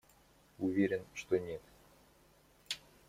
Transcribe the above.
Уверен, что нет.